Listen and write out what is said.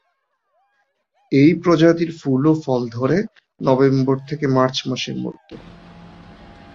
এই প্রজাতির ফুল ও ফল ধরে নভেম্বর-মার্চ মাসের মধ্যে।